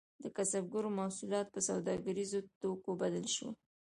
د کسبګرو محصولات په سوداګریزو توکو بدل شول.